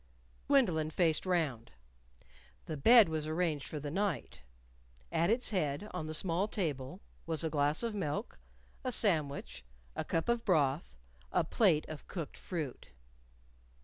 Gwendolyn faced round. The bed was arranged for the night. At its head, on the small table, was a glass of milk, a sandwich, a cup of broth, a plate of cooked fruit.